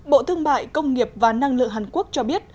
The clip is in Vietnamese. bộ thương mại công nghiệp và năng lượng hàn quốc cho biết